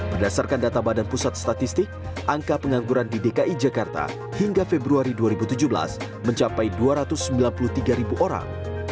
berdasarkan data badan pusat statistik angka pengangguran di dki jakarta hingga februari dua ribu tujuh belas mencapai dua ratus sembilan puluh tiga ribu orang